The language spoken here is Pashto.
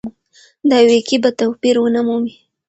دا وییکې به توپیر ونه مومي.